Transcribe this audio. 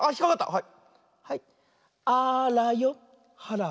はい。